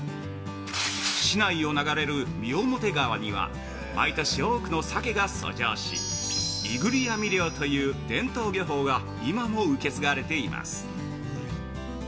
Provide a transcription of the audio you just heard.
市内を流れる三面川には、毎年多くの鮭が遡上し、居繰網漁という伝統漁法が、今も受け継がれています。